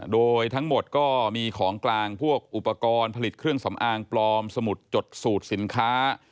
โดยทั้งหมดก็มีของกลางพวกอุปกรณ์ผลิตเครื่องสำอางปลอมสมุดจดสูตรสินค้า